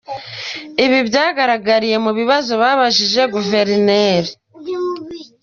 Ibi byagaragariye mu bibazo babajije Guverineri.